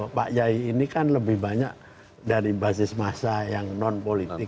nah sementara kalau pak kiai ini kan lebih banyak dari basis massa yang non politik